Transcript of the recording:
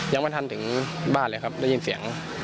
ยังไม่ทันถึงบ้านเลยครับได้ยินเสียง